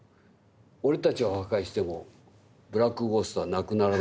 「俺たちを破壊してもブラック・ゴーストはなくならないぞ。